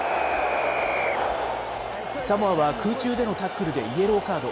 サモアは空中でのタックルでイエローカード。